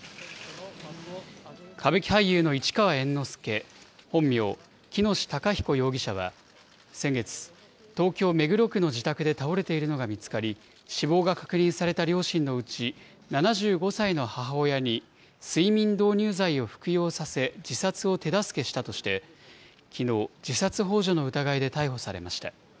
歌舞伎俳優の市川猿之助、本名・喜熨斗孝彦容疑者は先月、東京・目黒区の自宅で倒れているのが見つかり、死亡が確認された両親のうち、７５歳の母親に睡眠導入剤を服用させ、自殺を手助けしたとして、きのう、自殺ほう助の疑いで逮捕されました。